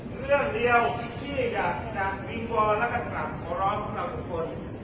เรื่องเดียวที่อยากจัดมิงบอร์และกระตัดขอร้องทุกคน